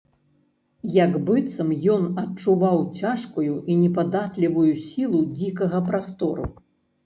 Як быццам ён адчуваў цяжкую і непадатлівую сілу дзікага прастору.